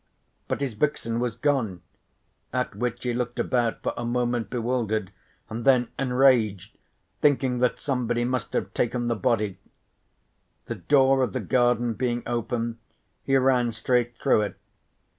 But his vixen was gone, at which he looked about for a moment bewildered, and then enraged, thinking that somebody must have taken the body. The door of the garden being open he ran straight through it.